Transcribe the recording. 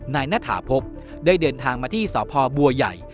ณฐาพบได้เดินทางมาที่สพบัวใหญ่